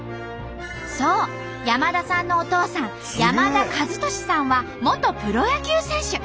そう山田さんのお父さん山田和利さんは元プロ野球選手。